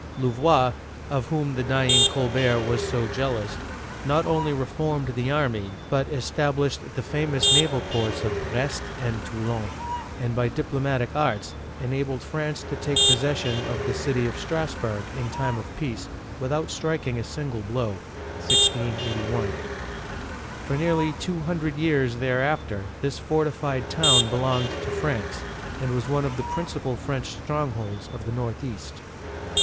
Louvois, of whom the dying Colbert was so jealous, not only reformed the army but established the famous naval ports of Brest and Toulon (too 16N'), and by diplomatic arts enabled France to take possession of the city of Strass burg in time of peace without striking a single blow (i 68 1). For nearly two hundred years thereafter this fortified town belonged to France, and was one of the principal French strongholds on the northeast.